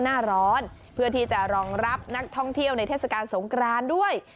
หน้าร้อนเพื่อที่จะรองรับนักท่องเที่ยวในเทศกาลสงครานด้วย